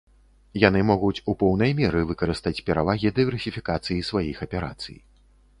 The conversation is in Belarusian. Яны могуць у поўнай меры выкарыстаць перавагі дыверсіфікацыі сваіх аперацый.